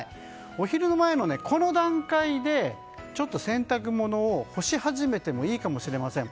お昼前の段階で洗濯物を干し始めてもいいかもしれません。